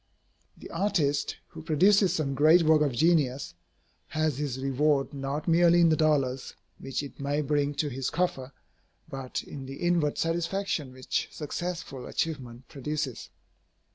The artist, who produces some great work of genius, has his reward not merely in the dollars which it may bring to his coffer, but in the inward satisfaction which successful achievement produces.